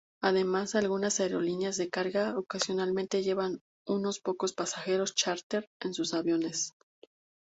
Además, algunas aerolíneas de carga ocasionalmente llevan unos pocos pasajeros chárter en sus aviones.